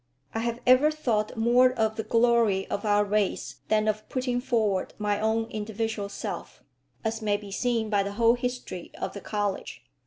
I have ever thought more of the glory of our race than of putting forward my own individual self, as may be seen by the whole history of the college.